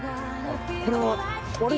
これは？